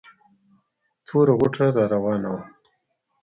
توره غوټه را راوانه وه.